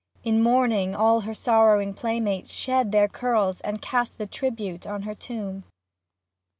In mourning all her sorrowing play mates shed Their curls and cast the tribute on her tomb.